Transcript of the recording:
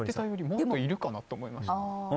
もっといるかなと思いました。